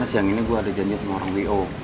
baik juga ya calon lo